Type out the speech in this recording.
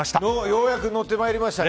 ようやく乗ってまいりました。